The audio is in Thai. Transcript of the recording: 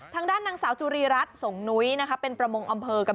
ทางด้านนางสาวโจรี่รัตรสงนุยนะครับเป็นประมงอำเภอกบินบุรี